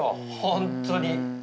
本当に。